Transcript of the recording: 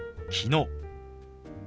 「きのう」。